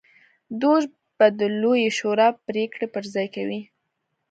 دوج به د لویې شورا پرېکړې پر ځای کوي